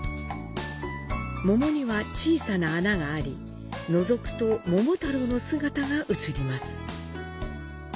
桃には小さな穴がありのぞくと桃太郎の姿が映ります。